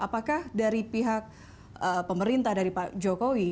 apakah dari pihak pemerintah dari pak jokowi